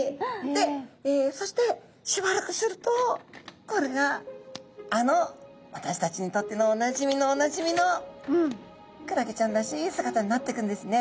でそしてしばらくするとこれがあの私たちにとってのおなじみのおなじみのクラゲちゃんらしい姿になっていくんですね。